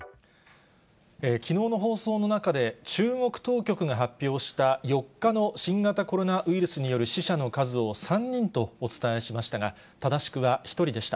きのうの放送の中で、中国当局が発表した４日の新型コロナウイルスによる死者の数を３人とお伝えしましたが、正しくは１人でした。